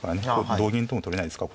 同銀とも取れないですか？